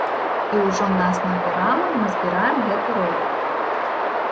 І ўжо на аснове рамы мы збіраем гэты ровар.